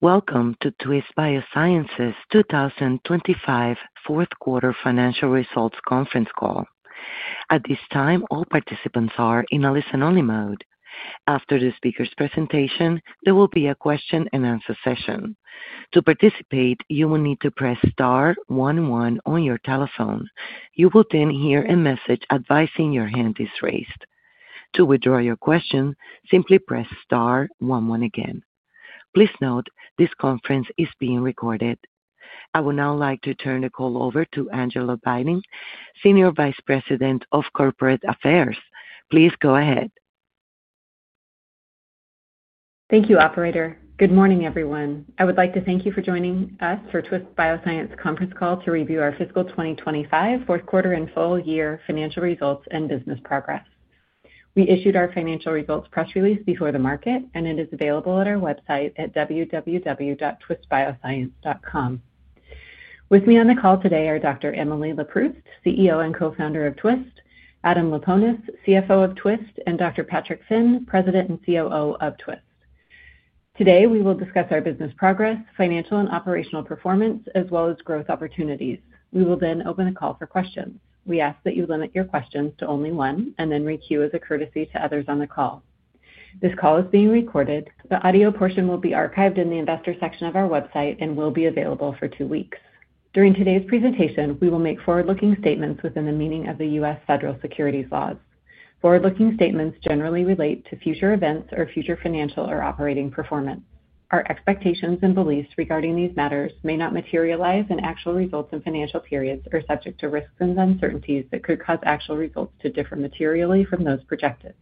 Welcome to Twist Bioscience's 2025 Fourth Quarter Financial Results Conference Call. At this time, all participants are in a listen-only mode. After the speaker's presentation, there will be a question-and-answer session. To participate, you will need to press star one one on your telephone. You will then hear a message advising your hand is raised. To withdraw your question, simply press star one one again. Please note this conference is being recorded. I would now like to turn the call over to Angela Bitting, Senior Vice President of Corporate Affairs. Please go ahead. Thank you, Operator. Good morning, everyone. I would like to thank you for joining us for Twist Bioscience conference call to review our fiscal 2025 fourth quarter and full-year financial results and business progress. We issued our financial results press release before the market, and it is available at our website at www.twistbioscience.com. With me on the call today are Dr. Emily Leproust, CEO and Co-Founder of Twist; Adam Laponis, CFO of Twist; and Dr. Patrick Finn, President and COO of Twist. Today, we will discuss our business progress, financial and operational performance, as well as growth opportunities. We will then open the call for questions. We ask that you limit your questions to only one and then requeue as a courtesy to others on the call. This call is being recorded. The audio portion will be archived in the investor section of our website and will be available for two weeks. During today's presentation, we will make forward-looking statements within the meaning of the U.S. federal securities laws. Forward-looking statements generally relate to future events or future financial or operating performance. Our expectations and beliefs regarding these matters may not materialize in actual results in financial periods or are subject to risks and uncertainties that could cause actual results to differ materially from those projected.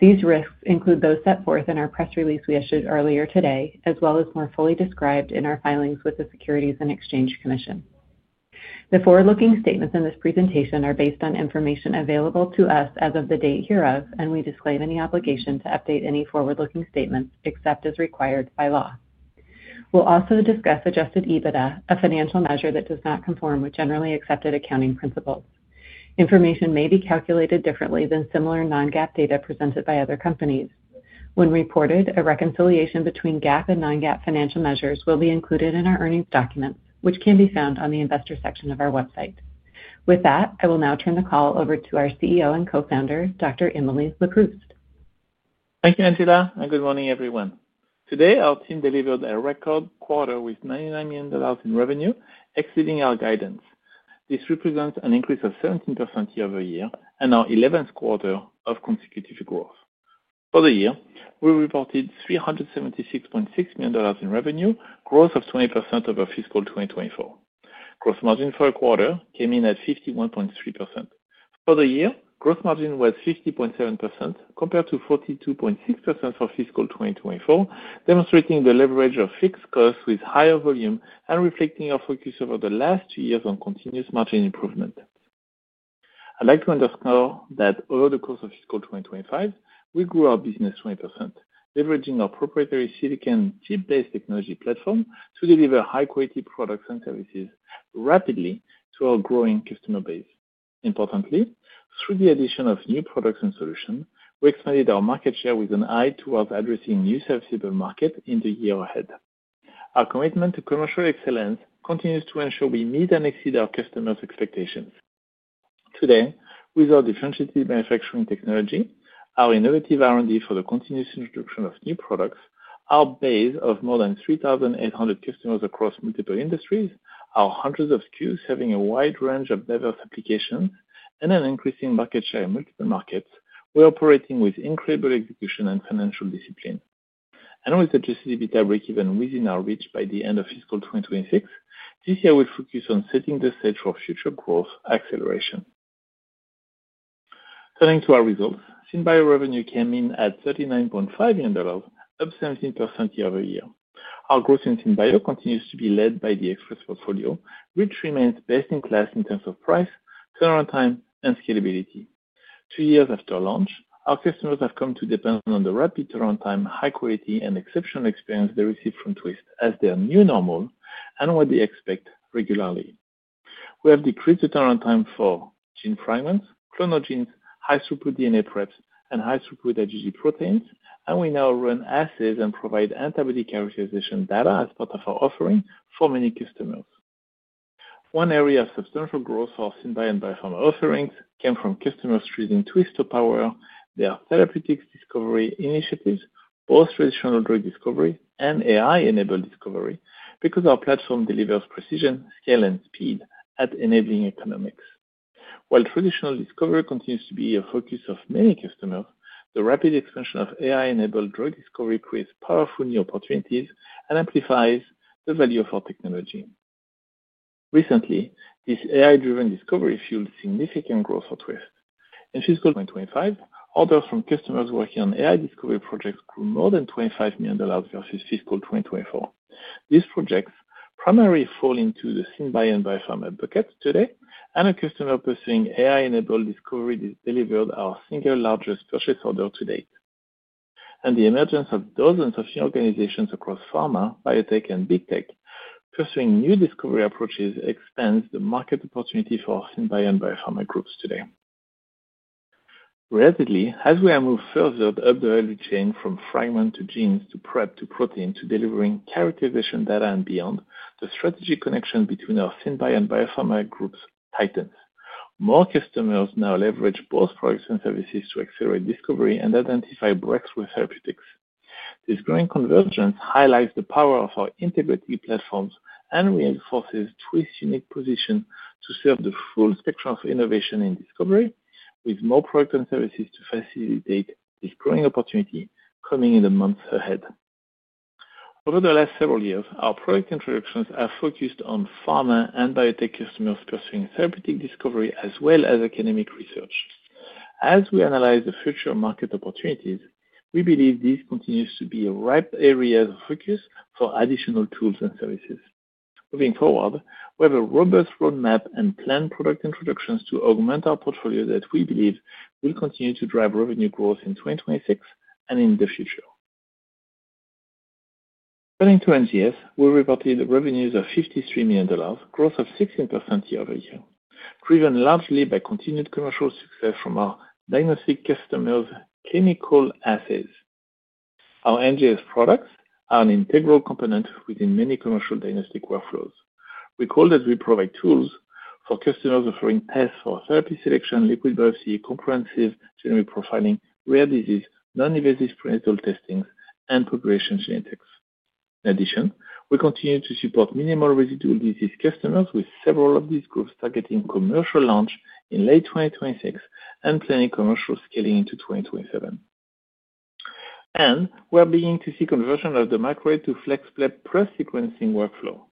These risks include those set forth in our press release we issued earlier today, as well as more fully described in our filings with the Securities and Exchange Commission. The forward-looking statements in this presentation are based on information available to us as of the date hereof, and we disclaim any obligation to update any forward-looking statements except as required by law. We'll also discuss adjusted EBITDA, a financial measure that does not conform with generally accepted accounting principles. Information may be calculated differently than similar non-GAAP data presented by other companies. When reported, a reconciliation between GAAP and non-GAAP financial measures will be included in our earnings documents, which can be found on the investor section of our website. With that, I will now turn the call over to our CEO and Co-Founder, Dr. Emily Leproust. Thank you, Angela, and good morning, everyone. Today, our team delivered a record quarter with $99 million in revenue exceeding our guidance. This represents an increase of 17% year-over-year and our 11th quarter of consecutive growth. For the year, we reported $376.6 million in revenue, a growth of 20% over fiscal 2024. Gross margin for the quarter came in at 51.3%. For the year, gross margin was 50.7% compared to 42.6% for fiscal 2024, demonstrating the leverage of fixed costs with higher volume and reflecting our focus over the last two years on continuous margin improvement. I'd like to underscore that over the course of fiscal 2025, we grew our business 20%, leveraging our proprietary silicon-chip-based technology platform to deliver high-quality products and services rapidly to our growing customer base. Importantly, through the addition of new products and solutions, we expanded our market share with an eye towards addressing new services in the market in the year ahead. Our commitment to commercial excellence continues to ensure we meet and exceed our customers' expectations. Today, with our differentiated manufacturing technology, our innovative R&D for the continuous introduction of new products, our base of more than 3,800 customers across multiple industries, our hundreds of SKUs serving a wide range of diverse applications, and an increasing market share in multiple markets, we are operating with incredible execution and financial discipline. With the adjusted EBITDA breakeven within our reach by the end of fiscal 2026, this year we focus on setting the stage for future growth acceleration. Turning to our results, SynBio revenue came in at $39.5 million, up 17% year-over-year. Our growth in SynBio continues to be led by the Express portfolio, which remains best in class in terms of price, turnaround time, and scalability. Two years after launch, our customers have come to depend on the rapid turnaround time, high quality, and exceptional experience they received from Twist as their new normal and what they expect regularly. We have decreased the turnaround time for gene fragments, clonogenes, high-throughput DNA preps, and high-throughput IgG proteins, and we now run assays and provide antibody characterization data as part of our offering for many customers. One area of substantial growth for SynBio and Biopharma offerings came from customers treating Twist to power their therapeutic discovery initiatives, both traditional drug discovery and AI-enabled discovery, because our platform delivers precision, scale, and speed at enabling economics. While traditional discovery continues to be a focus of many customers, the rapid expansion of AI-enabled drug discovery creates powerful new opportunities and amplifies the value of our technology. Recently, this AI-driven discovery fueled significant growth for Twist. In fiscal 2025, orders from customers working on AI discovery projects grew more than $25 million versus fiscal 2024. These projects primarily fall into the SynBio and Biopharma bucket today, and a customer pursuing AI-enabled discovery delivered our single largest purchase order to date. The emergence of dozens of new organizations across pharma, biotech, and big tech pursuing new discovery approaches expands the market opportunity for SynBio and Biopharma groups today. Relatively, as we have moved further up the value chain from fragment to genes to prep to protein to delivering characterization data and beyond, the strategic connection between our SynBio and Biopharma groups tightens. More customers now leverage both products and services to accelerate discovery and identify breakthrough therapeutics. This growing convergence highlights the power of our integrated platforms and reinforces Twist's unique position to serve the full spectrum of innovation in discovery, with more products and services to facilitate this growing opportunity coming in the months ahead. Over the last several years, our product introductions have focused on pharma and biotech customers pursuing therapeutic discovery as well as academic research. As we analyze the future market opportunities, we believe these continue to be ripe areas of focus for additional tools and services. Moving forward, we have a robust roadmap and planned product introductions to augment our portfolio that we believe will continue to drive revenue growth in 2026 and in the future. Turning to NGS, we reported revenues of $53 million, growth of 16% year-over-year, driven largely by continued commercial success from our diagnostic customers' clinical assays. Our NGS products are an integral component within many commercial diagnostic workflows. We call that we provide tools for customers offering tests for therapy selection, liquid biopsy, comprehensive genome profiling, rare disease, non-invasive prenatal testing, and population genetics. In addition, we continue to support minimal residual disease customers with several of these groups targeting commercial launch in late 2026 and planning commercial scaling into 2027. We are beginning to see conversion of the microarray to FlexPrep plus sequencing workflow.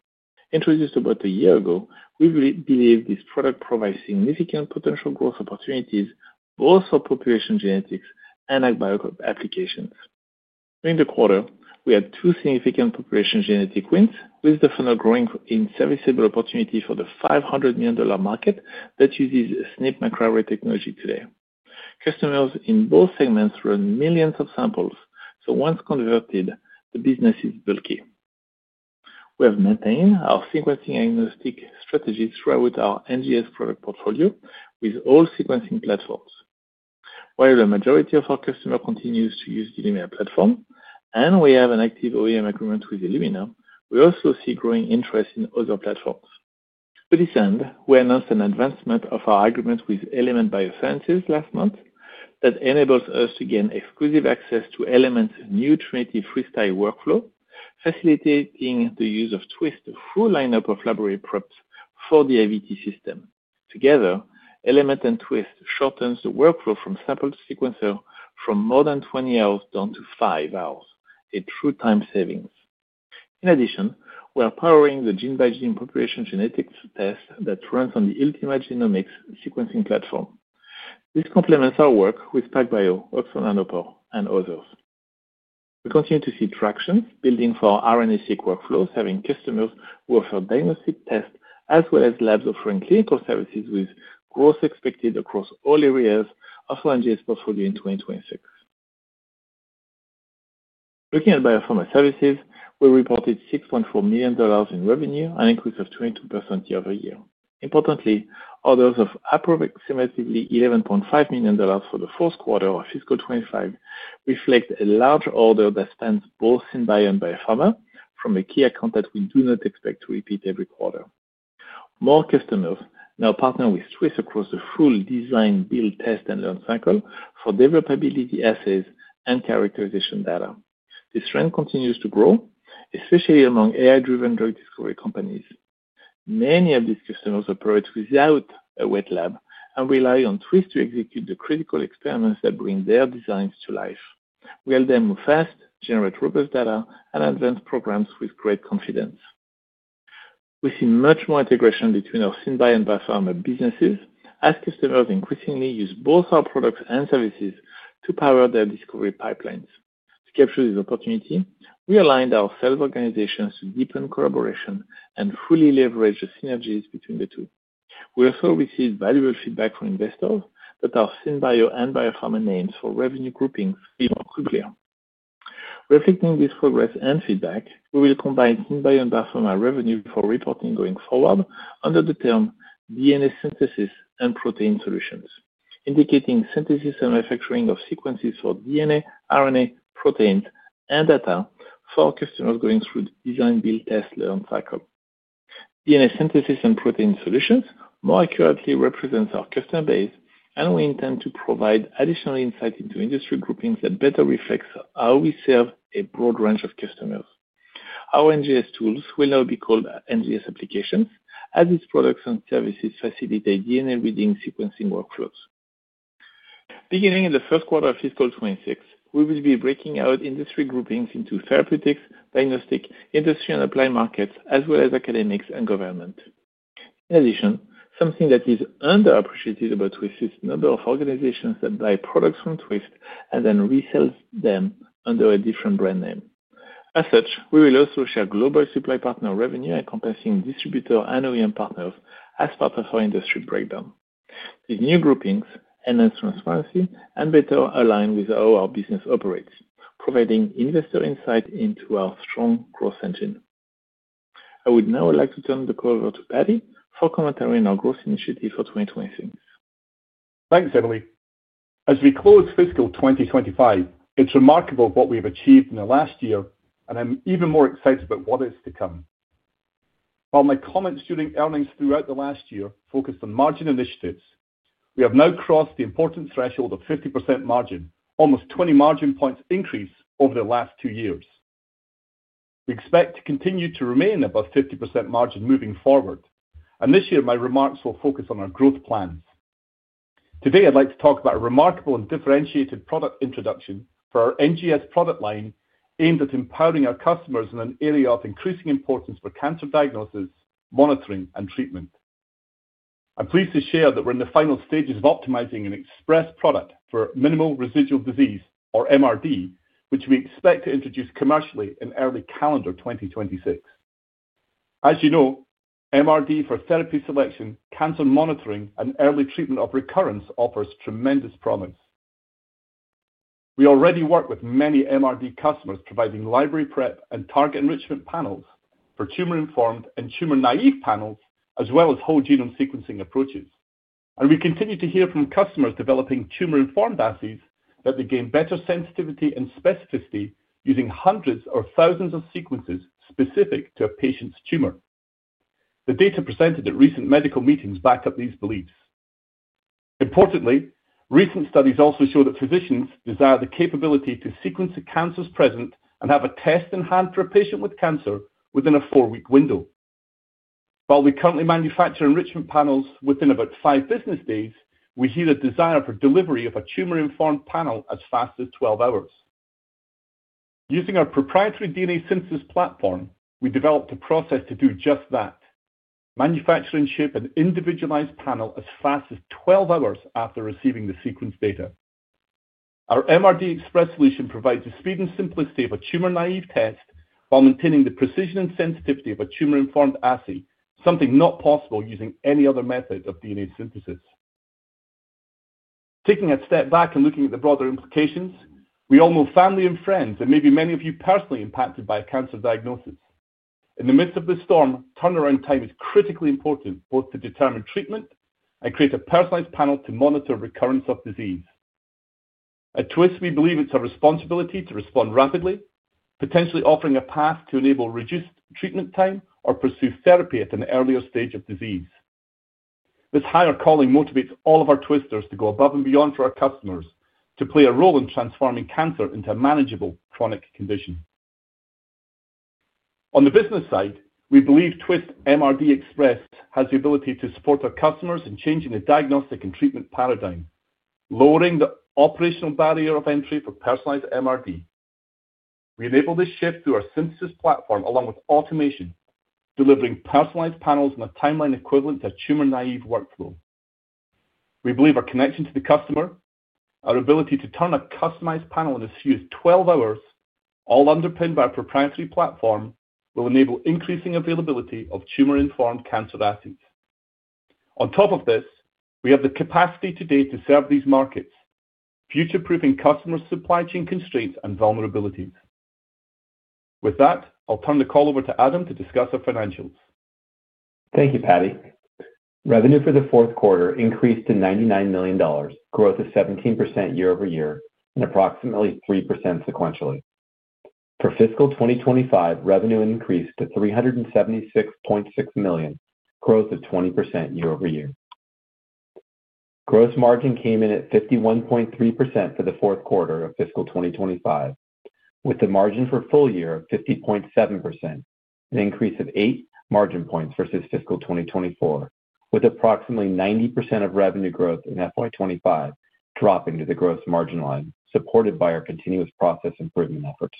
Introduced about a year ago, we believe this product provides significant potential growth opportunities both for population genetics and ag bio applications. During the quarter, we had two significant population genetic wins, with the final growing in serviceable opportunity for the $500 million market that uses SNP microarray technology today. Customers in both segments run millions of samples, so once converted, the business is bulky. We have maintained our sequencing agnostic strategies throughout our NGS product portfolio with all sequencing platforms. While the majority of our customers continue to use the Illumina platform and we have an active OEM agreement with Illumina, we also see growing interest in other platforms. To this end, we announced an advancement of our agreement with Element Biosciences last month that enables us to gain exclusive access to Element's new Trinity Freestyle workflow, facilitating the use of Twist's full lineup of library preps for the IVT system. Together, Element and Twist shorten the workflow from sample sequencer from more than 20 hours down to 5 hours, a true time savings. In addition, we are powering the gene-by-gene population genetics test that runs on the Ultima Genomics sequencing platform. This complements our work with PacBio, Oxford Nanopore, and others. We continue to see traction building for our RNA-seq workflows, having customers who offer diagnostic tests as well as labs offering clinical services with growth expected across all areas of our NGS portfolio in 2026. Looking at Biopharma services, we reported $6.4 million in revenue, an increase of 22% year-over-year. Importantly, orders of approximately $11.5 million for the fourth quarter of fiscal 2025 reflect a large order that spans both SynBio and Biopharma from a key account that we do not expect to repeat every quarter. More customers now partner with Twist across the full design, build, test, and learn cycle for developability assays and characterization data. This trend continues to grow, especially among AI-driven drug discovery companies. Many of these customers operate without a wet lab and rely on Twist to execute the critical experiments that bring their designs to life. We help them move fast, generate robust data, and advance programs with great confidence. We see much more integration between our SynBio and Biopharma businesses as customers increasingly use both our products and services to power their discovery pipelines. To capture this opportunity, we aligned our sales organizations to deepen collaboration and fully leverage the synergies between the two. We also received valuable feedback from investors that our SynBio and Biopharma names for revenue grouping feel more clear. Reflecting this progress and feedback, we will combine SynBio and Biopharma revenue for reporting going forward under the term DNA Synthesis and Protein Solutions, indicating synthesis and manufacturing of sequences for DNA, RNA, proteins, and data for customers going through the design, build, test, learn cycle. DNA Synthesis and Protein Solutions more accurately represent our customer base, and we intend to provide additional insight into industry groupings that better reflects how we serve a broad range of customers. Our NGS tools will now be called NGS applications as these products and services facilitate DNA reading sequencing workflows. Beginning in the first quarter of fiscal 2026, we will be breaking out industry groupings into therapeutics, diagnostic, industry and applied markets, as well as academics and government. In addition, something that is underappreciated about Twist is the number of organizations that buy products from Twist and then resell them under a different brand name. As such, we will also share global supply partner revenue encompassing distributor and OEM partners as part of our industry breakdown. These new groupings enhance transparency and better align with how our business operates, providing investor insight into our strong growth engine. I would now like to turn the call over to Patty for commentary on our growth initiative for 2026. Thanks, Emily. As we close fiscal 2025, it's remarkable what we've achieved in the last year, and I'm even more excited about what is to come. While my comments during earnings throughout the last year focused on margin initiatives, we have now crossed the important threshold of 50% margin, almost 20 margin points increase over the last two years. We expect to continue to remain above 50% margin moving forward, and this year, my remarks will focus on our growth plans. Today, I'd like to talk about a remarkable and differentiated product introduction for our NGS product line aimed at empowering our customers in an area of increasing importance for cancer diagnosis, monitoring, and treatment. I'm pleased to share that we're in the final stages of optimizing an express product for minimal residual disease, or MRD, which we expect to introduce commercially in early calendar 2026. As you know, MRD for therapy selection, cancer monitoring, and early treatment of recurrence offers tremendous promise. We already work with many MRD customers providing library prep and target enrichment panels for tumor-informed and tumor-naive panels, as well as whole genome sequencing approaches. We continue to hear from customers developing tumor-informed assays that they gain better sensitivity and specificity using hundreds or thousands of sequences specific to a patient's tumor. The data presented at recent medical meetings back up these beliefs. Importantly, recent studies also show that physicians desire the capability to sequence a cancer's present and have a test in hand for a patient with cancer within a four-week window. While we currently manufacture enrichment panels within about five business days, we hear a desire for delivery of a tumor-informed panel as fast as 12 hours. Using our proprietary DNA Synthesis platform, we developed a process to do just that: manufacture and ship an individualized panel as fast as 12 hours after receiving the sequence data. Our MRD Express solution provides the speed and simplicity of a tumor-naive test while maintaining the precision and sensitivity of a tumor-informed assay, something not possible using any other method of DNA synthesis. Taking a step back and looking at the broader implications, we all know family and friends and maybe many of you personally impacted by a cancer diagnosis. In the midst of the storm, turnaround time is critically important both to determine treatment and create a personalized panel to monitor recurrence of disease. At Twist, we believe it is our responsibility to respond rapidly, potentially offering a path to enable reduced treatment time or pursue therapy at an earlier stage of disease. This higher calling motivates all of our Twisters to go above and beyond for our customers to play a role in transforming cancer into a manageable chronic condition. On the business side, we believe Twist MRD Express has the ability to support our customers in changing the diagnostic and treatment paradigm, lowering the operational barrier of entry for personalized MRD. We enable this shift through our synthesis platform along with automation, delivering personalized panels on a timeline equivalent to a tumor-naive workflow. We believe our connection to the customer, our ability to turn a customized panel in as few as 12 hours, all underpinned by our proprietary platform, will enable increasing availability of tumor-informed cancer assays. On top of this, we have the capacity today to serve these markets, future-proofing customer supply chain constraints and vulnerabilities. With that, I'll turn the call over to Adam to discuss our financials. Thank you, Patty. Revenue for the fourth quarter increased to $99 million, growth of 17% year-over-year and approximately 3% sequentially. For fiscal 2025, revenue increased to $376.6 million, growth of 20% year-over-year. Gross margin came in at 51.3% for the fourth quarter of fiscal 2025, with the margin for full year of 50.7%, an increase of 8 margin points versus fiscal 2024, with approximately 90% of revenue growth in FY 2025 dropping to the gross margin line, supported by our continuous process improvement efforts.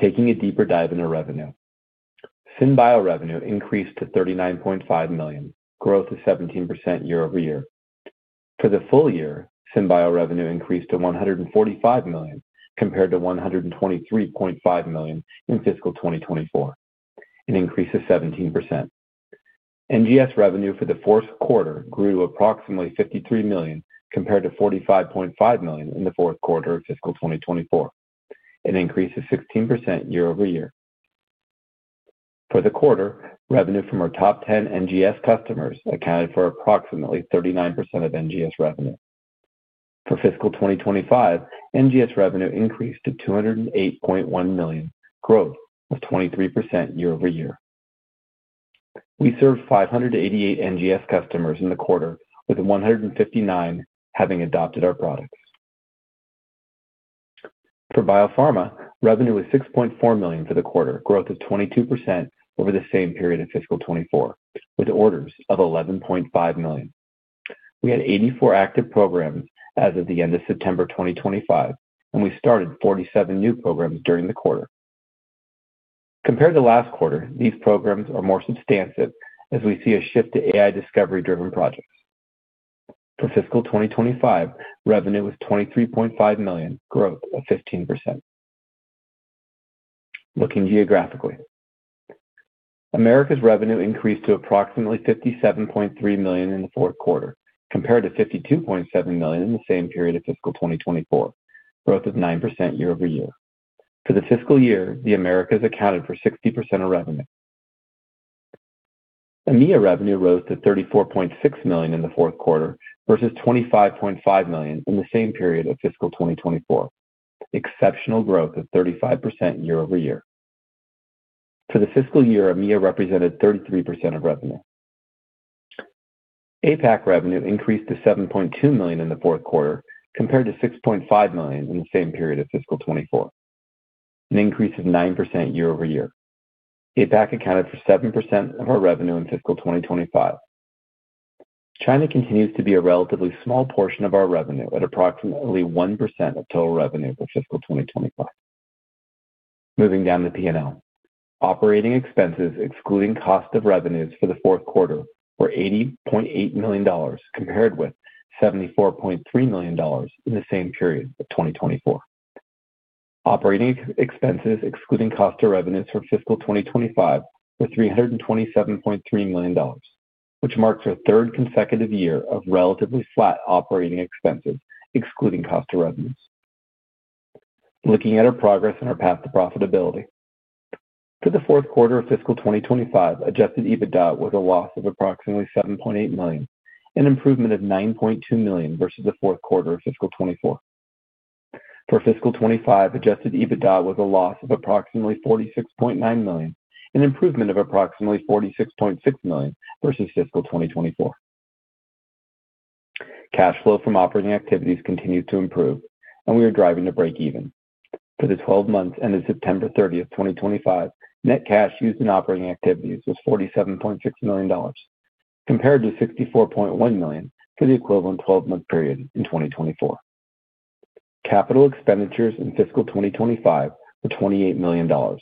Taking a deeper dive into revenue, SynBio revenue increased to $39.5 million, growth of 17% year-over-year. For the full year, SynBio revenue increased to $145 million compared to $123.5 million in fiscal 2024, an increase of 17%. NGS revenue for the fourth quarter grew to approximately $53 million compared to $45.5 million in the fourth quarter of fiscal 2024, an increase of 16% year-over-year. For the quarter, revenue from our top 10 NGS customers accounted for approximately 39% of NGS revenue. For fiscal 2025, NGS revenue increased to $208.1 million, growth of 23% year-over-year. We served 588 NGS customers in the quarter, with 159 having adopted our products. For Biopharma, revenue was $6.4 million for the quarter, growth of 22% over the same period of fiscal 2024, with orders of $11.5 million. We had 84 active programs as of the end of September 2025, and we started 47 new programs during the quarter. Compared to last quarter, these programs are more substantive as we see a shift to AI discovery-driven projects. For fiscal 2025, revenue was $23.5 million, growth of 15%. Looking geographically, Americas revenue increased to approximately $57.3 million in the fourth quarter, compared to $52.7 million in the same period of fiscal 2024, growth of 9% year-over-year. For the fiscal year, the Americas accounted for 60% of revenue. EMEA revenue rose to $34.6 million in the fourth quarter versus $25.5 million in the same period of fiscal 2024, exceptional growth of 35% year-over-year. For the fiscal year, EMEA represented 33% of revenue. APAC revenue increased to $7.2 million in the fourth quarter, compared to $6.5 million in the same period of fiscal 2024, an increase of 9% year-over-year. APAC accounted for 7% of our revenue in fiscal 2025. China continues to be a relatively small portion of our revenue at approximately 1% of total revenue for fiscal 2025. Moving down to P&L, operating expenses excluding cost of revenues for the fourth quarter were $80.8 million, compared with $74.3 million in the same period of 2024. Operating expenses excluding cost of revenues for fiscal 2025 were $327.3 million, which marks our third consecutive year of relatively flat operating expenses excluding cost of revenues. Looking at our progress and our path to profitability, for the fourth quarter of fiscal 2025, adjusted EBITDA was a loss of approximately $7.8 million, an improvement of $9.2 million versus the fourth quarter of fiscal 2024. For fiscal 2025, adjusted EBITDA was a loss of approximately $46.9 million, an improvement of approximately $46.6 million versus fiscal 2024. Cash flow from operating activities continues to improve, and we are driving to break even. For the 12 months ended September 30th, 2025, net cash used in operating activities was $47.6 million, compared to $64.1 million for the equivalent 12-month period in 2024. Capital expenditures in fiscal 2025 were $28 million,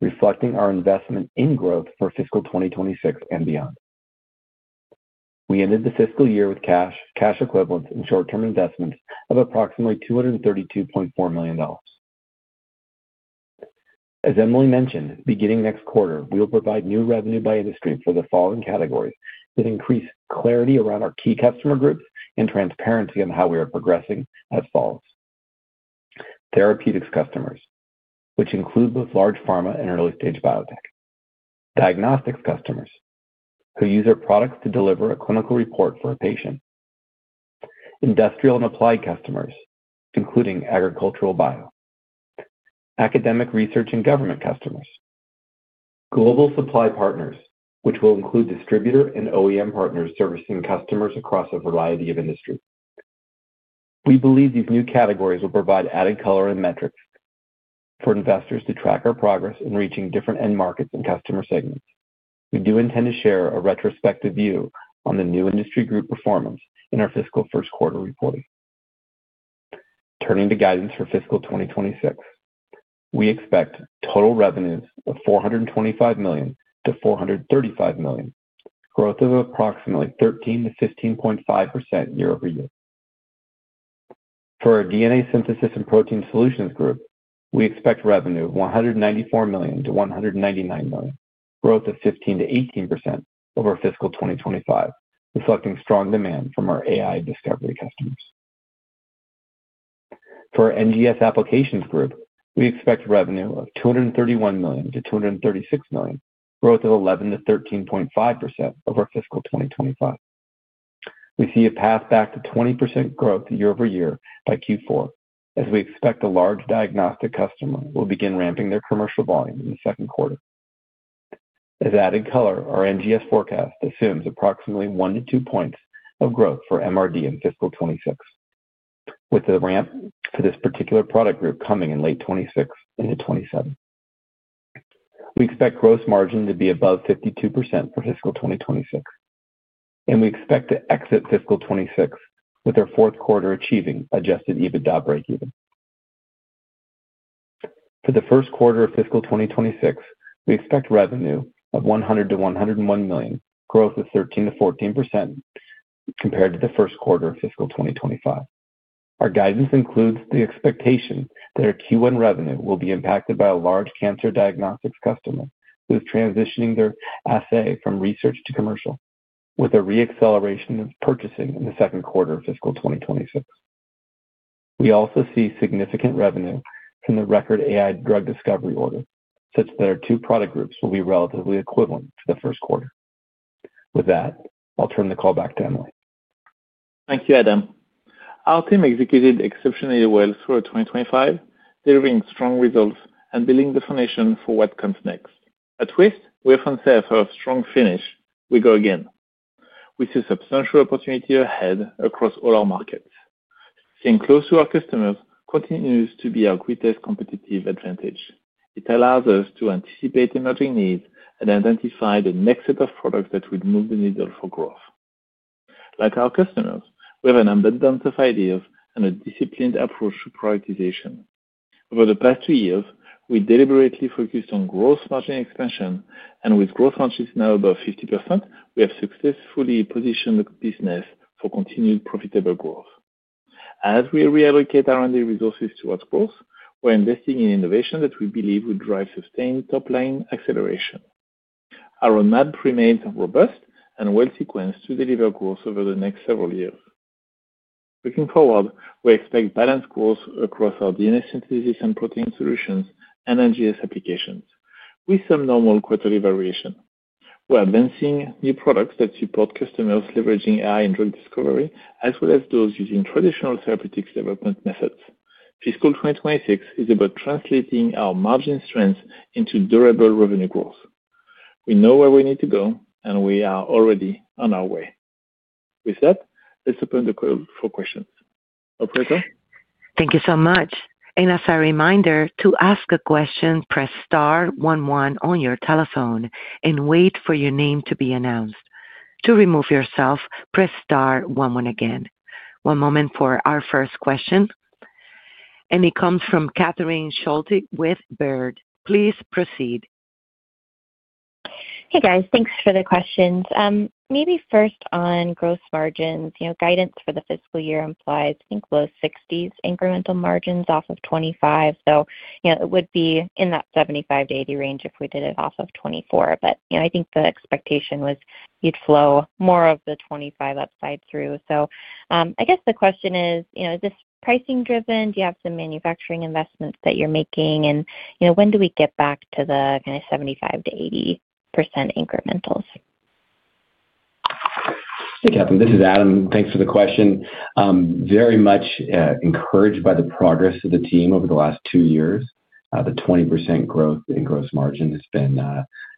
reflecting our investment in growth for fiscal 2026 and beyond. We ended the fiscal year with cash, cash equivalents, and short-term investments of approximately $232.4 million. As Emily mentioned, beginning next quarter, we will provide new revenue by industry for the following categories that increase clarity around our key customer groups and transparency on how we are progressing as follows: therapeutics customers, which include both large pharma and early-stage biotech; diagnostics customers, who use our products to deliver a clinical report for a patient; industrial and applied customers, including agricultural bio; academic research and government customers; global supply partners, which will include distributor and OEM partners servicing customers across a variety of industries. We believe these new categories will provide added color and metrics for investors to track our progress in reaching different end markets and customer segments. We do intend to share a retrospective view on the new industry group performance in our fiscal first quarter reporting. Turning to guidance for fiscal 2026, we expect total revenues of $425 million-$435 million, growth of approximately 13%-15.5% year-over-year. For our DNA Synthesis and Protein Solutions group, we expect revenue of $194 million-$199 million, growth of 15%-18% over fiscal 2025, reflecting strong demand from our AI discovery customers. For our NGS Applications group, we expect revenue of $231 million-$236 million, growth of 11%-13.5% over fiscal 2025. We see a path back to 20% growth year-over-year by Q4, as we expect a large diagnostic customer will begin ramping their commercial volume in the second quarter. As added color, our NGS forecast assumes approximately 1-2 percentage points of growth for MRD in fiscal 2026, with the ramp for this particular product group coming in late 2026 into 2027. We expect gross margin to be above 52% for fiscal 2026, and we expect to exit fiscal 2026 with our fourth quarter achieving adjusted EBITDA breakeven. For the first quarter of fiscal 2026, we expect revenue of $100 million-$101 million, growth of 13%-14% compared to the first quarter of fiscal 2025. Our guidance includes the expectation that our Q1 revenue will be impacted by a large cancer diagnostics customer who is transitioning their assay from research to commercial, with a re-acceleration of purchasing in the second quarter of fiscal 2026. We also see significant revenue from the record AI drug discovery order, such that our two product groups will be relatively equivalent to the first quarter. With that, I'll turn the call back to Emily. Thank you, Adam. Our team executed exceptionally well through 2025, delivering strong results and building the foundation for what comes next. At Twist, we often say after a strong finish, we go again. We see substantial opportunity ahead across all our markets. Staying close to our customers continues to be our greatest competitive advantage. It allows us to anticipate emerging needs and identify the next set of products that will move the needle for growth. Like our customers, we have an unbiased set of ideas and a disciplined approach to prioritization. Over the past two years, we deliberately focused on gross margin expansion, and with gross margins now above 50%, we have successfully positioned the business for continued profitable growth. As we reallocate R&D resources towards growth, we're investing in innovation that we believe will drive sustained top-line acceleration. Our roadmap remains robust and well-sequenced to deliver growth over the next several years. Looking forward, we expect balanced growth across our DNA Synthesis and Protein Solutions and NGS Applications, with some normal quarterly variation. We are advancing new products that support customers leveraging AI in drug discovery, as well as those using traditional therapeutics development methods. Fiscal 2026 is about translating our margin strength into durable revenue growth. We know where we need to go, and we are already on our way. With that, let's open the call for questions. Operator. Thank you so much. As a reminder, to ask a question, press star one one on your telephone and wait for your name to be announced. To remove yourself, press star one one again. One moment for our first question, and it comes from Catherine Schulte with Baird. Please proceed. Hey, guys. Thanks for the questions. Maybe first on gross margins, guidance for the fiscal year implies low 60s incremental margins off of 25%. So it would be in that 75%-80% range if we did it off of 24%. I think the expectation was you'd flow more of the 25% upside through. I guess the question is, is this pricing-driven? Do you have some manufacturing investments that you're making? When do we get back to the kind of 75%-80% incrementals? Hey, Catherine. This is Adam. Thanks for the question. Very much encouraged by the progress of the team over the last two years. The 20% growth in gross margin has been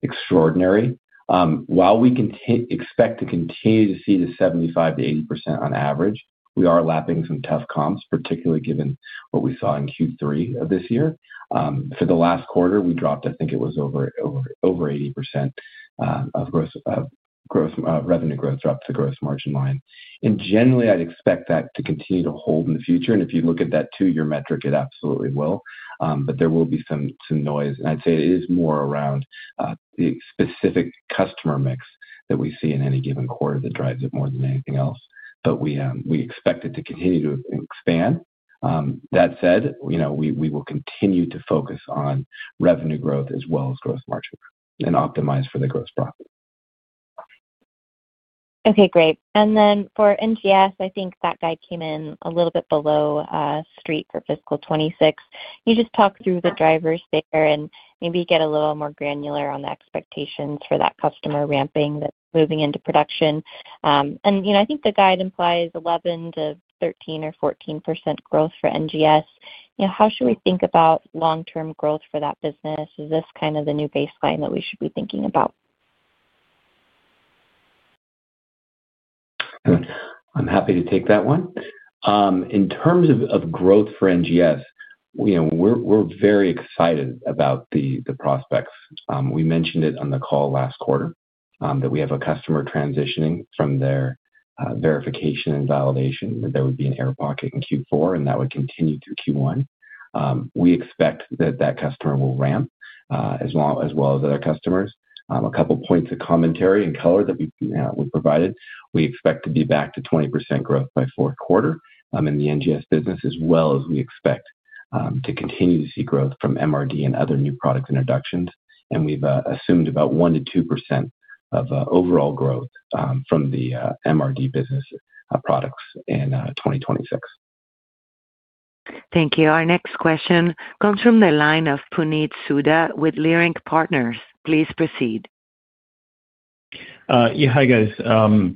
extraordinary. While we expect to continue to see the 75%-80% on average, we are lapping some tough comps, particularly given what we saw in Q3 of this year. For the last quarter, we dropped, I think it was over 80% of revenue growth dropped to gross margin line. Generally, I'd expect that to continue to hold in the future. If you look at that two-year metric, it absolutely will. There will be some noise. I'd say it is more around the specific customer mix that we see in any given quarter that drives it more than anything else. We expect it to continue to expand. That said, we will continue to focus on revenue growth as well as gross margin and optimize for the gross profit. Okay, great. For NGS, I think that guide came in a little bit below street for fiscal 2026. You just talked through the drivers there and maybe get a little more granular on the expectations for that customer ramping that's moving into production. I think the guide implies 11%-13% or 14% growth for NGS. How should we think about long-term growth for that business? Is this kind of the new baseline that we should be thinking about? I'm happy to take that one. In terms of growth for NGS, we're very excited about the prospects. We mentioned it on the call last quarter that we have a customer transitioning from their verification and validation, that there would be an air pocket in Q4, and that would continue through Q1. We expect that that customer will ramp as well as other customers. A couple of points of commentary and color that we provided. We expect to be back to 20% growth by fourth quarter in the NGS business, as well as we expect to continue to see growth from MRD and other new product introductions. We've assumed about 1%-2% of overall growth from the MRD business products in 2026. Thank you. Our next question comes from the line of Puneet Souda with Leerink Partners. Please proceed. Yeah, hi guys.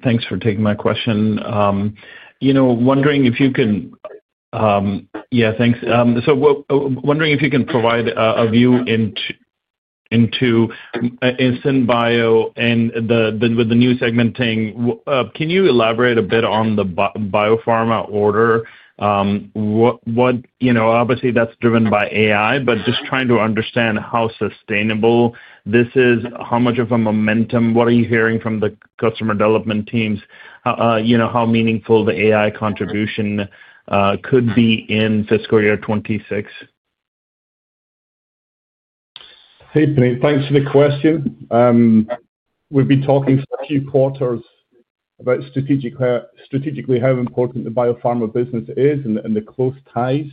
Thanks for taking my question. Wondering if you can—yeah, thanks. Wondering if you can provide a view into SynBio and with the new segmenting. Can you elaborate a bit on the Biopharma order? Obviously, that's driven by AI, but just trying to understand how sustainable this is, how much of a momentum, what are you hearing from the customer development teams, how meaningful the AI contribution could be in fiscal year 2026? Hey, Puneet. Thanks for the question. We've been talking for a few quarters about strategically how important the Biopharma business is and the close ties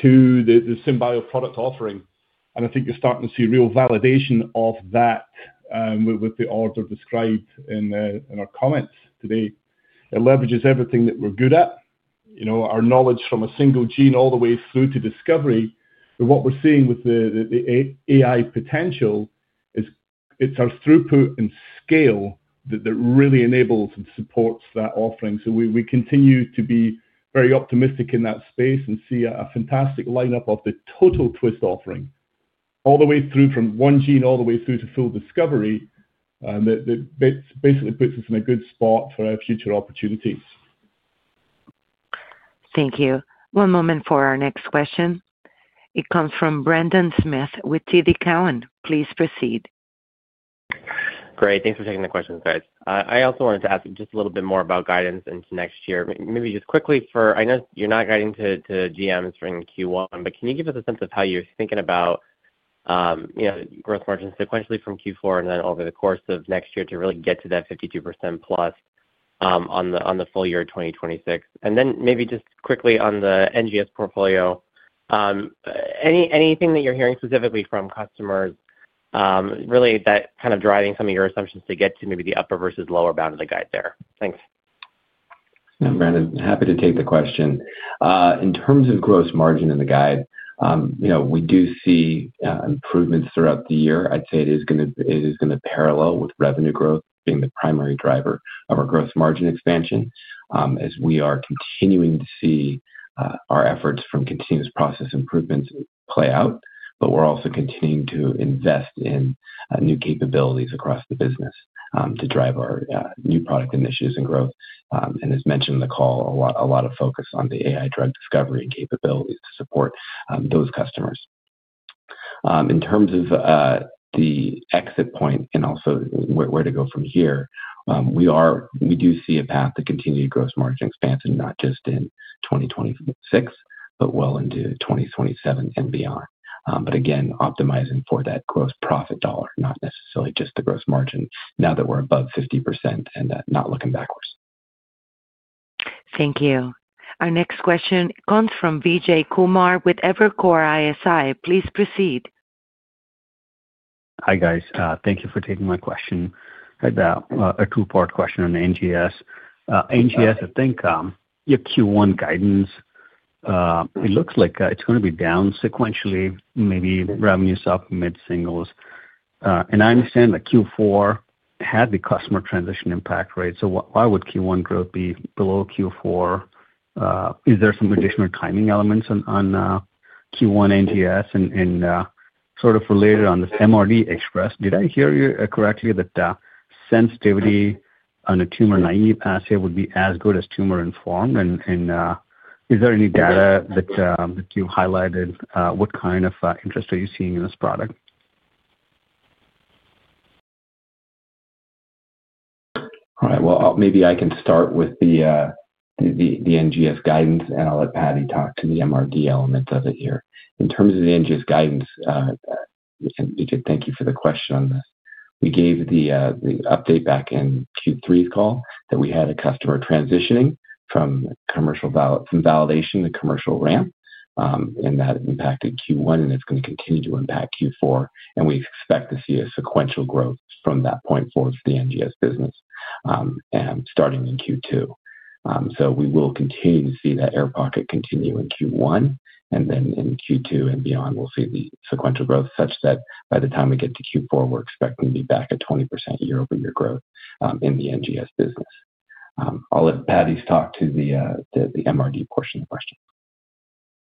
to the SynBio product offering. I think you're starting to see real validation of that with the order described in our comments today. It leverages everything that we're good at, our knowledge from a single gene all the way through to discovery. What we're seeing with the AI potential is it's our throughput and scale that really enables and supports that offering. We continue to be very optimistic in that space and see a fantastic lineup of the total Twist offering all the way through from one gene all the way through to full discovery. It basically puts us in a good spot for our future opportunities. Thank you. One moment for our next question. It comes from Brendan Smith with TD Cowen. Please proceed. Great. Thanks for taking the question, guys. I also wanted to ask just a little bit more about guidance into next year. Maybe just quickly for—I know you're not guiding to GMs for Q1, but can you give us a sense of how you're thinking about gross margin sequentially from Q4 and then over the course of next year to really get to that 52%+ on the full year 2026? And then maybe just quickly on the NGS portfolio, anything that you're hearing specifically from customers, really that kind of driving some of your assumptions to get to maybe the upper versus lower bound of the guide there? Thanks. Adam. Happy to take the question. In terms of gross margin in the guide, we do see improvements throughout the year. I'd say it is going to parallel with revenue growth being the primary driver of our gross margin expansion as we are continuing to see our efforts from continuous process improvements play out. We are also continuing to invest in new capabilities across the business to drive our new product initiatives and growth. As mentioned in the call, a lot of focus on the AI drug discovery and capabilities to support those customers. In terms of the exit point and also where to go from here, we do see a path to continued gross margin expansion, not just in 2026, but well into 2027 and beyond. Again, optimizing for that gross profit dollar, not necessarily just the gross margin now that we're above 50% and not looking backwards. Thank you. Our next question comes from Vijay Kumar with Evercore ISI. Please proceed. Hi guys. Thank you for taking my question. I had a two-part question on NGS. NGS, I think your Q1 guidance, it looks like it's going to be down sequentially, maybe revenues up, mid-singles. I understand that Q4 had the customer transition impact, right. Why would Q1 growth be below Q4? Is there some additional timing elements on Q1 NGS? Sort of related, on this MRD Express, did I hear you correctly that the sensitivity on a tumor-naive assay would be as good as tumor-informed? Is there any data that you've highlighted? What kind of interest are you seeing in this product? All right. Maybe I can start with the NGS guidance, and I'll let Patty talk to the MRD element of it here. In terms of the NGS guidance, Vijay, thank you for the question on this. We gave the update back in Q3's call that we had a customer transitioning from validation to commercial ramp, and that impacted Q1, and it's going to continue to impact Q4. We expect to see a sequential growth from that point forward for the NGS business and starting in Q2. We will continue to see that air pocket continue in Q1, and then in Q2 and beyond, we'll see the sequential growth such that by the time we get to Q4, we're expecting to be back at 20% year-over-year growth in the NGS business. I'll let Patty talk to the MRD portion of the question.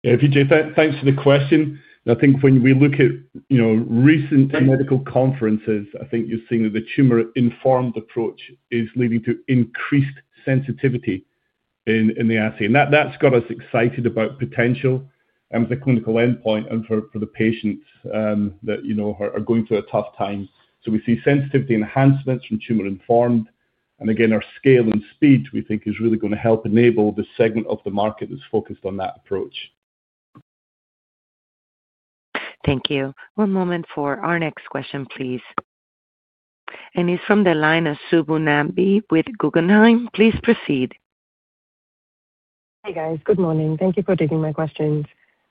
Yeah, Vijay, thanks for the question. I think when we look at recent medical conferences, I think you're seeing that the tumor-informed approach is leading to increased sensitivity in the assay. That's got us excited about potential and the clinical endpoint and for the patients that are going through a tough time. We see sensitivity enhancements from tumor-informed. Again, our scale and speed, we think, is really going to help enable the segment of the market that's focused on that approach. Thank you. One moment for our next question, please. He is from the line of Subbu Nambi with Guggenheim. Please proceed. Hey, guys. Good morning. Thank you for taking my questions.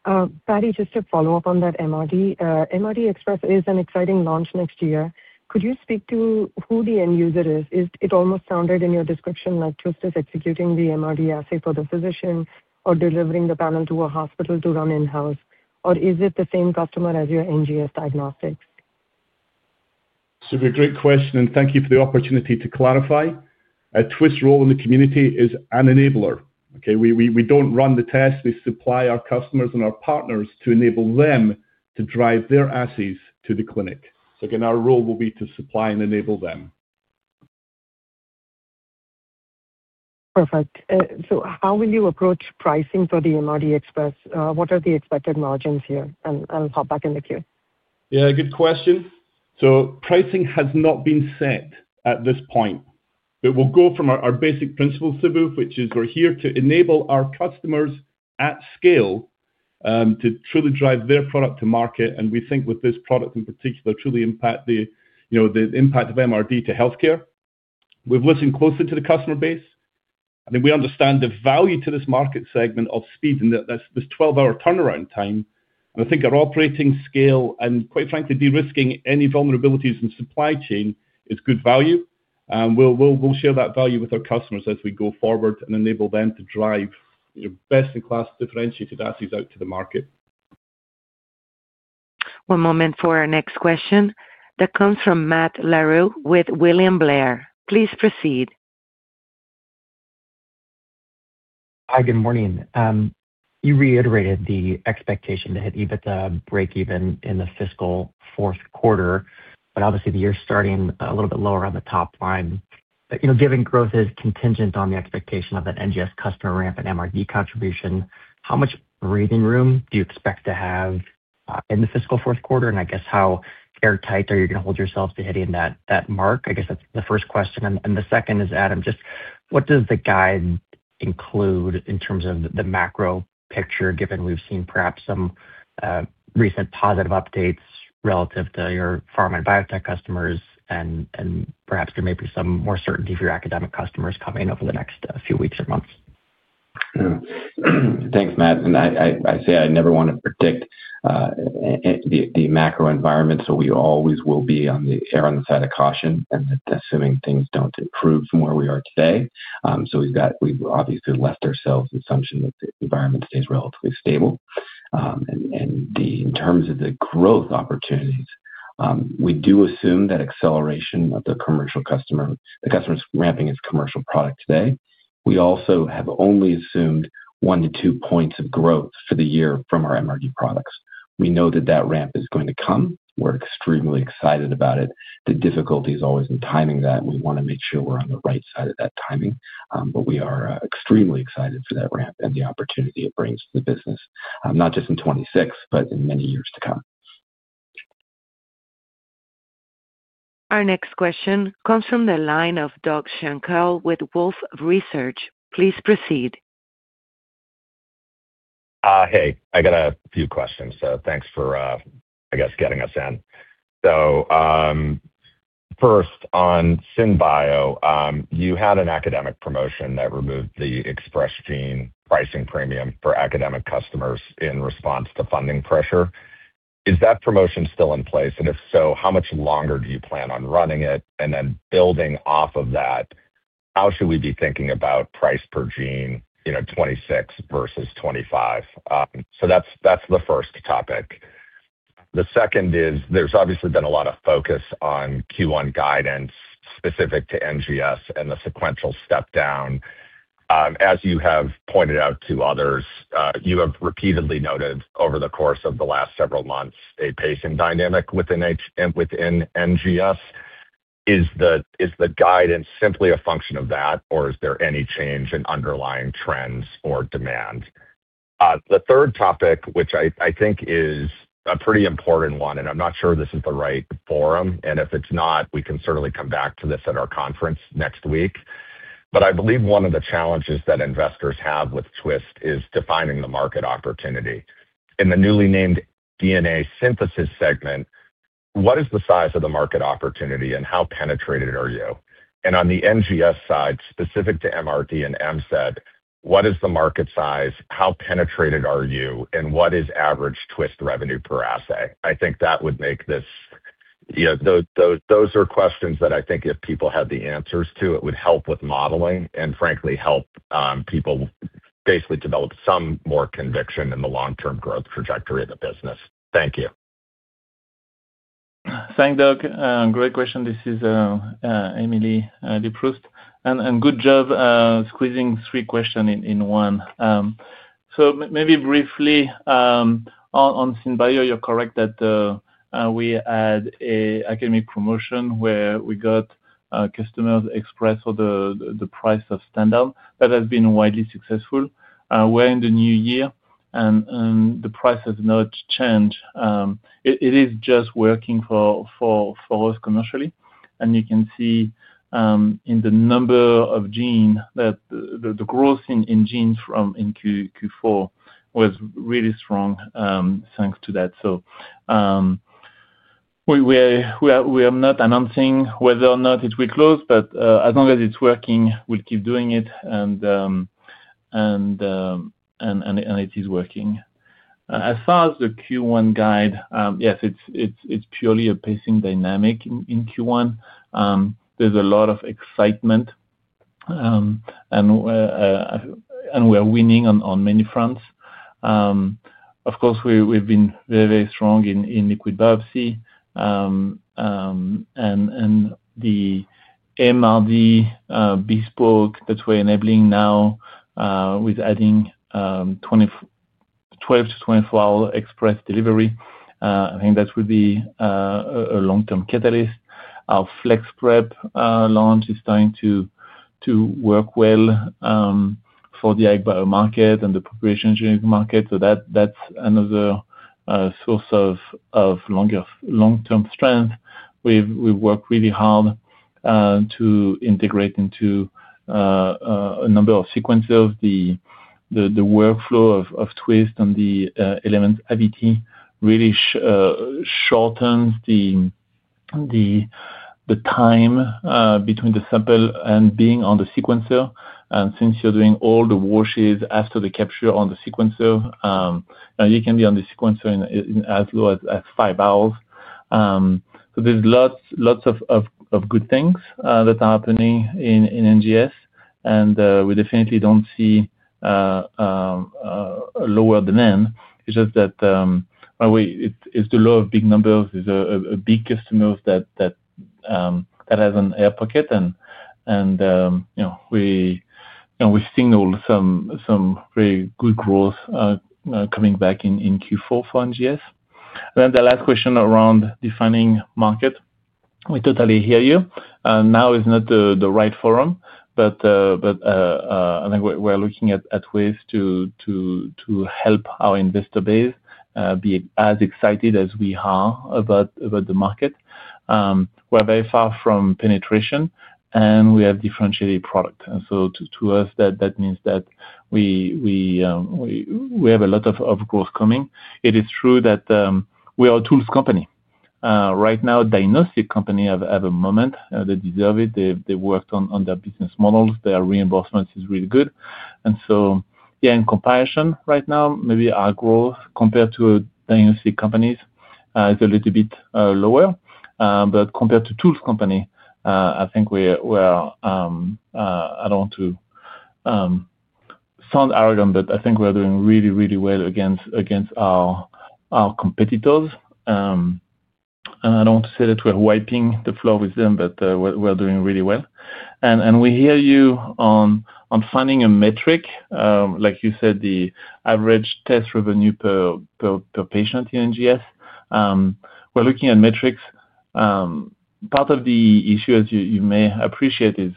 Patty, just to follow up on that MRD, MRD Express is an exciting launch next year. Could you speak to who the end user is? It almost sounded in your description like Twist is executing the MRD assay for the physician or delivering the panel to a hospital to run in-house. Or is it the same customer as your NGS diagnostics? This would be a great question, and thank you for the opportunity to clarify. Twist's role in the community is an enabler. We don't run the test. We supply our customers and our partners to enable them to drive their assays to the clinic. Again, our role will be to supply and enable them. Perfect. How will you approach pricing for the MRD Express? What are the expected margins here? I'll hop back in the queue. Yeah, good question. Pricing has not been set at this point. We go from our basic principle, Subbu, which is we're here to enable our customers at scale to truly drive their product to market. We think with this product in particular, truly impact the impact of MRD to healthcare. We've listened closely to the customer base. I think we understand the value to this market segment of speed and this 12-hour turnaround time. I think our operating scale and, quite frankly, de-risking any vulnerabilities in supply chain is good value. We'll share that value with our customers as we go forward and enable them to drive best-in-class differentiated assays out to the market. One moment for our next question. That comes from Matt Larew with William Blair. Please proceed. Hi, good morning. You reiterated the expectation to hit EBITDA break-even in the fiscal fourth quarter, but obviously, the year's starting a little bit lower on the top line. Given growth is contingent on the expectation of an NGS customer ramp and MRD contribution, how much breathing room do you expect to have in the fiscal fourth quarter? I guess, how airtight are you going to hold yourselves to hitting that mark? I guess that's the first question. The second is, Adam, just what does the guide include in terms of the macro picture, given we've seen perhaps some recent positive updates relative to your pharma and biotech customers? Perhaps there may be some more certainty for your academic customers coming over the next few weeks or months? Thanks, Matt. I say I never want to predict the macro environment. We always will be on the side of caution and assuming things do not improve from where we are today. We have obviously left ourselves the assumption that the environment stays relatively stable. In terms of the growth opportunities, we do assume that acceleration of the commercial customer's ramping its commercial product today. We also have only assumed one to two points of growth for the year from our MRD products. We know that that ramp is going to come. We are extremely excited about it. The difficulty is always in timing that. We want to make sure we are on the right side of that timing. We are extremely excited for that ramp and the opportunity it brings to the business, not just in 2026, but in many years to come. Our next question comes from the line of Doug Schenkel with Wolfe Research. Please proceed. Hey, I got a few questions. Thanks for, I guess, getting us in. First, on SynBio, you had an academic promotion that removed the express gene pricing premium for academic customers in response to funding pressure. Is that promotion still in place? If so, how much longer do you plan on running it? Building off of that, how should we be thinking about price per gene, 2026 versus 2025? That is the first topic. The second is there has obviously been a lot of focus on Q1 guidance specific to NGS and the sequential step down. As you have pointed out to others, you have repeatedly noted over the course of the last several months a pacing dynamic within NGS. Is the guidance simply a function of that, or is there any change in underlying trends or demand? The third topic, which I think is a pretty important one, and I'm not sure this is the right forum. If it's not, we can certainly come back to this at our conference next week. I believe one of the challenges that investors have with Twist is defining the market opportunity. In the newly named DNA Synthesis segment, what is the size of the market opportunity and how penetrated are you? On the NGS side, specific to MRD and MSED, what is the market size? How penetrated are you? What is average Twist revenue per assay? I think that would make this—those are questions that I think if people had the answers to, it would help with modeling and, frankly, help people basically develop some more conviction in the long-term growth trajectory of the business. Thank you. Thanks, Doug. Great question. This is Emily Leproust. And good job squeezing three questions in one. Maybe briefly, on SynBio, you're correct that we had an academic promotion where we got customers Express for the price of stand-up that has been widely successful. We're in the new year, and the price has not changed. It is just working for us commercially. You can see in the number of genes that the growth in genes from Q4 was really strong thanks to that. We are not announcing whether or not it will close, but as long as it's working, we'll keep doing it, and it is working. As far as the Q1 guide, yes, it's purely a pacing dynamic in Q1. There's a lot of excitement, and we're winning on many fronts. Of course, we've been very, very strong in liquid biopsy. The MRD bespoke that we're enabling now with adding 12-24 hour express delivery, I think that would be a long-term catalyst. Our FlexPrep launch is starting to work well for the ag bio market and the population engineering market. That is another source of long-term strength. We've worked really hard to integrate into a number of sequencers. The workflow of Twist and the Element AVITI really shortens the time between the sample and being on the sequencer. Since you're doing all the washes after the capture on the sequencer, you can be on the sequencer in as low as five hours. There are lots of good things that are happening in NGS, and we definitely do not see a lower demand. It's just that it's the law of big numbers. There's big customers that have an air pocket, and we've seen some very good growth coming back in Q4 for NGS. The last question around defining market, we totally hear you. Now is not the right forum, but I think we're looking at ways to help our investor base be as excited as we are about the market. We're very far from penetration, and we have differentiated product. To us, that means that we have a lot of growth coming. It is true that we are a tools company. Right now, diagnostic company at the moment, they deserve it. They worked on their business models. Their reimbursement is really good. In comparison, right now, maybe our growth compared to diagnostic companies is a little bit lower. Compared to tools company, I think we are—I do not want to sound arrogant, but I think we are doing really, really well against our competitors. I do not want to say that we are wiping the floor with them, but we are doing really well. We hear you on finding a metric. Like you said, the average test revenue per patient in NGS. We are looking at metrics. Part of the issue, as you may appreciate, is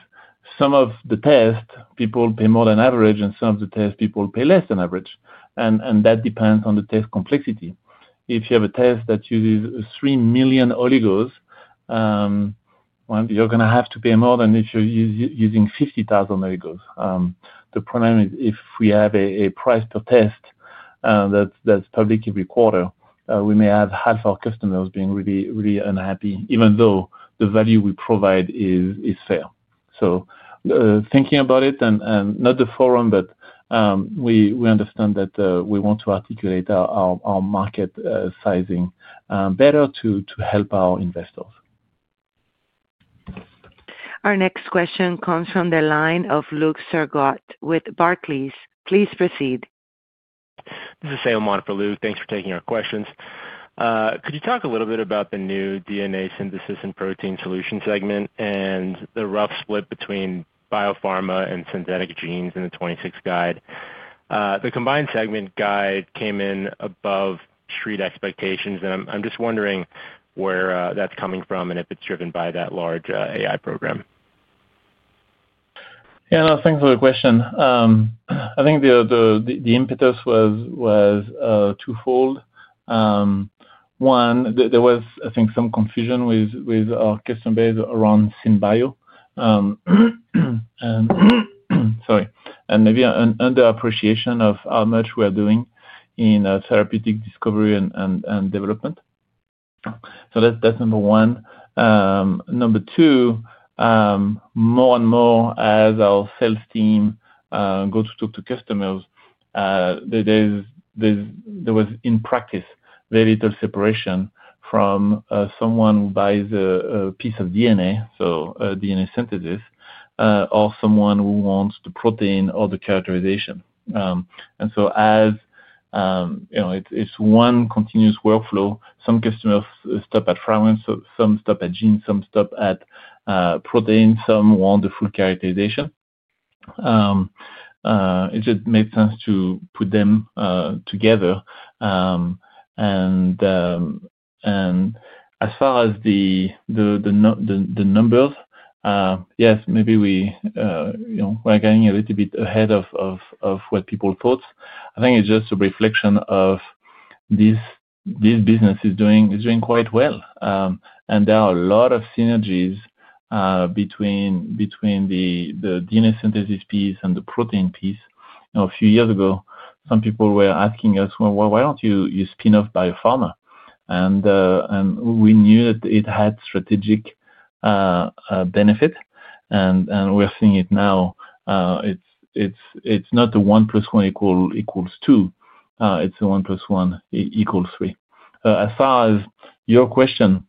some of the test people pay more than average, and some of the test people pay less than average. That depends on the test complexity. If you have a test that uses 3 million oligos, you are going to have to pay more than if you are using 50,000 oligos. The problem is if we have a price per test that's public every quarter, we may have half our customers being really, really unhappy, even though the value we provide is fair. Thinking about it, and not the forum, but we understand that we want to articulate our market sizing better to help our investors. Our next question comes from the line of Luke Sargot with Barclays. Please proceed. This is Sam Wan for Luke. Thanks for taking our questions. Could you talk a little bit about the new DNA Synthesis and Protein Solution segment and the rough split between Biopharma and synthetic genes in the 2026 guide? The combined segment guide came in above street expectations. I am just wondering where that's coming from and if it's driven by that large AI program. Yeah, no, thanks for the question. I think the impetus was twofold. One, there was, I think, some confusion with our customer base around SynBio. Sorry. And maybe an underappreciation of how much we're doing in therapeutic discovery and development. That's number one. Number two, more and more as our sales team go to talk to customers, there was, in practice, very little separation from someone who buys a piece of DNA, so DNA Synthesis, or someone who wants the protein or the characterization. As it's one continuous workflow, some customers stop at fragments, some stop at genes, some stop at proteins, some want the full characterization. It just made sense to put them together. As far as the numbers, yes, maybe we are getting a little bit ahead of what people thought. I think it's just a reflection of this business is doing quite well. There are a lot of synergies between the DNA Synthesis piece and the Protein piece. A few years ago, some people were asking us, "Why don't you spin off Biopharma?" We knew that it had strategic benefits. We are seeing it now. It is not the 1 + 1 = 2. It is the 1 + 1 = 3. As far as your question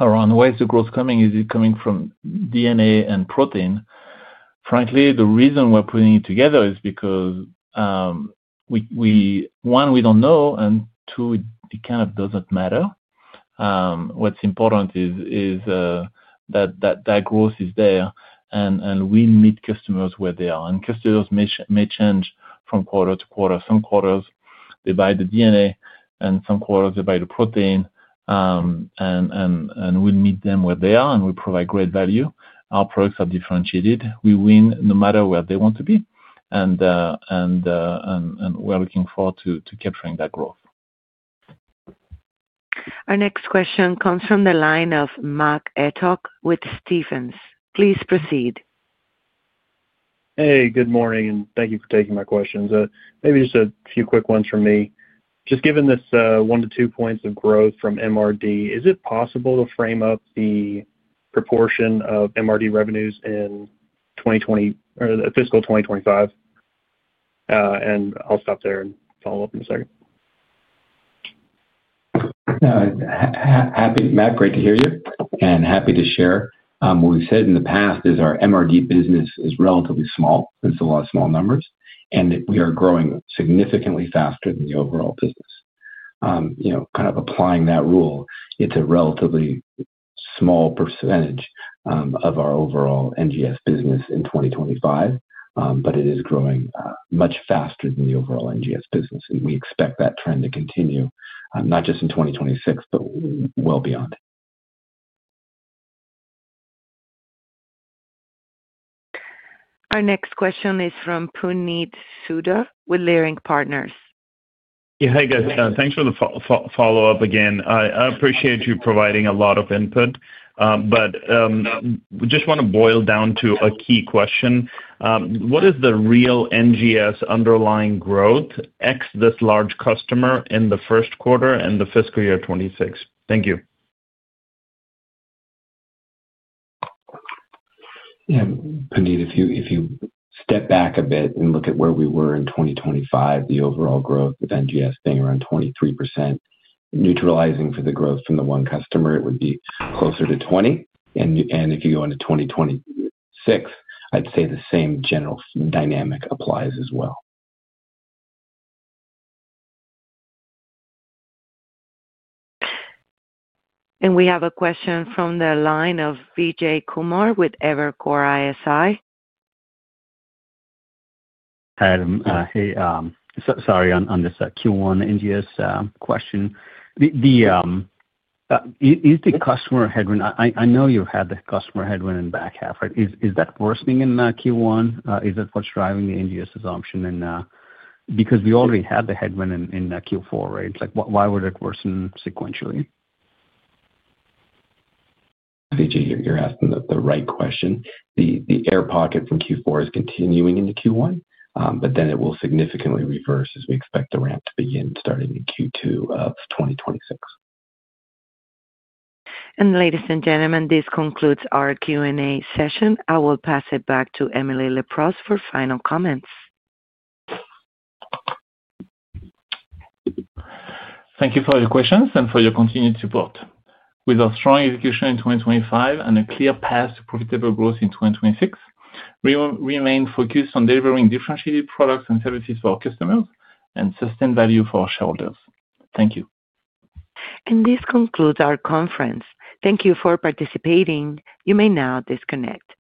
around where is the growth coming, is it coming from DNA and Protein? Frankly, the reason we are putting it together is because, one, we do not know, and two, it kind of does not matter. What is important is that growth is there, and we meet customers where they are. Customers may change from quarter to quarter. Some quarters, they buy the DNA, and some quarters, they buy the Protein. We will meet them where they are, and we provide great value. Our products are differentiated. We win no matter where they want to be. We are looking forward to capturing that growth. Our next question comes from the line of Mac Etoch with Stephens. Please proceed. Hey, good morning, and thank you for taking my questions. Maybe just a few quick ones from me. Just given this one to two points of growth from MRD, is it possible to frame up the proportion of MRD revenues in fiscal 2025? I'll stop there and follow up in a second. Happy, Matt, great to hear you, and happy to share. What we've said in the past is our MRD business is relatively small. It's a lot of small numbers, and we are growing significantly faster than the overall business. Kind of applying that rule, it's a relatively small percentage of our overall NGS business in 2025, but it is growing much faster than the overall NGS business. We expect that trend to continue, not just in 2026, but well beyond. Our next question is from Puneet Souda with Leerink Partners. Yeah, hey, guys. Thanks for the follow-up again. I appreciate you providing a lot of input, but we just want to boil down to a key question. What is the real NGS underlying growth ex this large customer in the first quarter and the fiscal year 2026? Thank you. Yeah, Puneet, if you step back a bit and look at where we were in 2025, the overall growth of NGS being around 23%, neutralizing for the growth from the one customer, it would be closer to 20%. If you go into 2026, I'd say the same general dynamic applies as well. We have a question from the line of Vijay Kumar with Evercore ISI. Hi, Adam. Hey, sorry on this Q1 NGS question. Is the customer headwind? I know you had the customer headwind in back half, right? Is that worsening in Q1? Is that what's driving the NGS assumption? Because we already had the headwind in Q4, right? It's like, why would it worsen sequentially? Vijay, you're asking the right question. The air pocket from Q4 is continuing into Q1, but then it will significantly reverse as we expect the ramp to begin starting in Q2 of 2026. Ladies and gentlemen, this concludes our Q&A session. I will pass it back to Emily Leproust for final comments. Thank you for your questions and for your continued support. With a strong execution in 2025 and a clear path to profitable growth in 2026, we remain focused on delivering differentiated products and services for our customers and sustained value for our shareholders. Thank you. This concludes our conference. Thank you for participating. You may now disconnect.